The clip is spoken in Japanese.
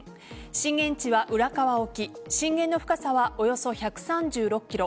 震源地は浦河沖震源の深さはおよそ１３６ｋｍ